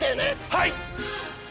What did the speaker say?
はい！